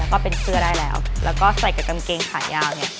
ก็เป็นเสื้อได้แล้วแล้วก็ใส่กับกางเกงขายาวเนี่ย